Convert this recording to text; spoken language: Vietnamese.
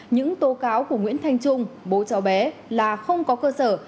những tố cáo của nguyễn thanh trung bố cháu bé là không có cơ sở